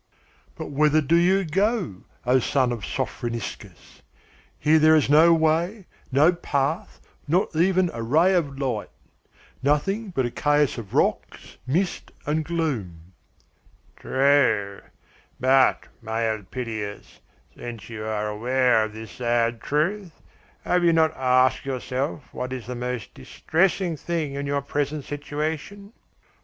"But whither do you go, O son of Sophroniscus? Here there is no way, no path, not even a ray of light; nothing but a chaos of rocks, mist, and gloom." "True. But, my Elpidias, since you are aware of this sad truth, have you not asked yourself what is the most distressing thing in your present situation?"